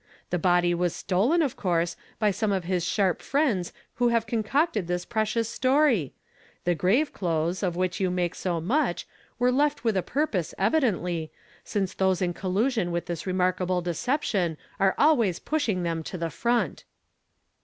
The body was stolen, of coui se, by some of his sharp friends who have concocted this precious story. The grave^lothes, 01 which you make so much, were left with a purpose evidently, since those in collusion with this remarkable deception are always pushing them to the front."